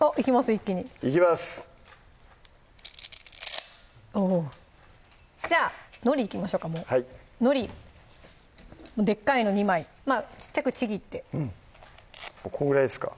一気にいきますじゃあのりいきましょうかもうはいのりでっかいの２枚まぁ小っちゃくちぎってこんぐらいですか？